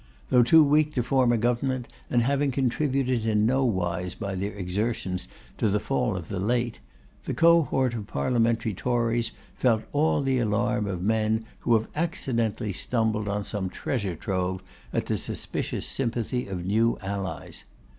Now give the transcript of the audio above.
Though too weak to form a government, and having contributed in no wise by their exertions to the fall of the late, the cohort of Parliamentary Tories felt all the alarm of men who have accidentally stumbled on some treasure trove, at the suspicious sympathy of new allies.